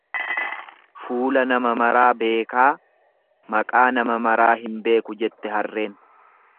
Fuula nama maraa beekaa maqaa nama maraa hin beeku jette harreen.